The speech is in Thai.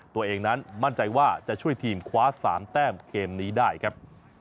ตัวเองนั้นมั่นใจว่าจะช่วยทีมคว้า๓แต้มเกมนี้ได้ครับ